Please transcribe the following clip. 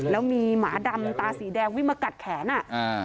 แล้วมีหมาดำตาสีแดงวิ่งมากัดแขนอ่ะอ่า